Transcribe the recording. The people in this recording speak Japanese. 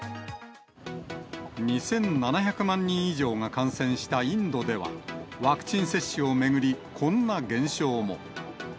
２７００万人以上が感染したインドでは、ワクチン接種を巡り、こんな現象も。